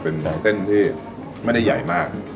เป็นของเส้นที่ไม่ได้ใหญ่มาก